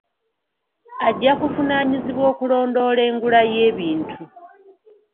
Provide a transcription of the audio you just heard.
Ajja kuvunaanyizibwa okulondoola engula y'ebintu.